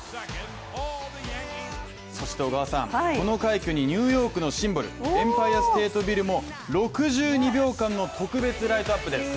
そして小川さん、この快挙にニューヨークのシンボル、エンパイアステートビルも６２秒間の特別ライトアップです。